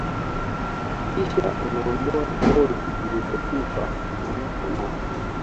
hakikisha unaondoa ngozi zilizokufa mara kwa mara